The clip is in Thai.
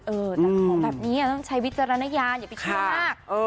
เออแต่ของแบบนี้ต้องใช้วิจารณญาณอย่าไปเชื่อมาก